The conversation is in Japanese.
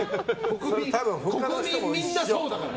国民みんなそうだから。